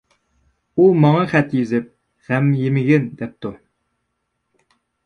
-ئۇ ماڭا خەت يېزىپ، غەم يېمىگىن، دەپتۇ!